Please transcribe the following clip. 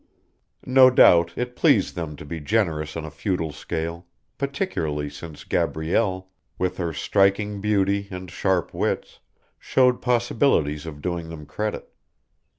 No doubt it pleased them to be generous on a feudal scale, particularly since Gabrielle, with her striking beauty and sharp wits, showed possibilities of doing them credit.